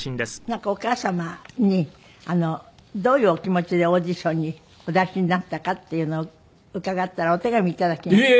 なんかお母様にどういうお気持ちでオーディションにお出しになったかっていうのを伺ったらお手紙を頂きました。